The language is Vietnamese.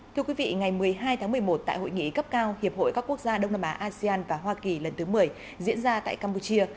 thưa quý vị ngày một mươi hai tháng một mươi một tại hội nghị cấp cao hiệp hội các quốc gia đông nam á asean và hoa kỳ lần thứ một mươi diễn ra tại campuchia